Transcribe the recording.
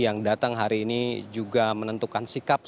yang datang hari ini juga menentukan sikap